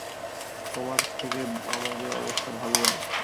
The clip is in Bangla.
তোমার থেকে আমাদের অবস্থা ভালো আছে।